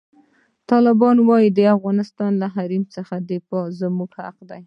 طالبانو وویل، د افغانستان له حریم څخه دفاع زموږ حق دی.